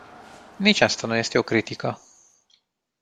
Nici asta nu este o critică.